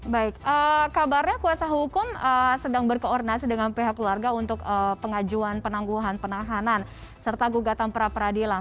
baik kabarnya kuasa hukum sedang berkoordinasi dengan pihak keluarga untuk pengajuan penangguhan penahanan serta gugatan pra peradilan